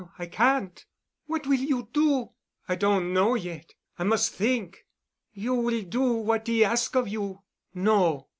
I can't." "What will you do?" "I don't know yet. I must think." "You will do what 'e ask of you." "No."